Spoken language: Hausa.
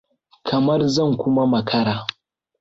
Kamar zan kuma makara.